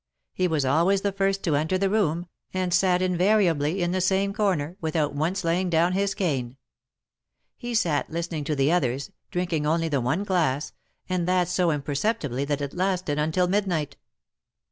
He was always the first to enter the room, and sat invariably in the same corner, without once laying down his cane. He sat listening to the others, drinking only the one glass, and that so imper ceptibly that it lasted until midnight.